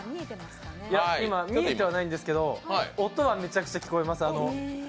今、見えてはいないんですけど、音はめちゃくちゃ聞こえます。